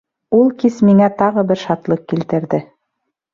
Ул кис миңә тағы бер шатлыҡ килтерҙе.